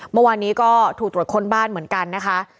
เมื่อวานนี้ก็ถูกตรวจค้นบ้านเหมือนกันนะคะ